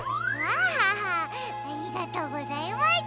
アハハありがとうございます。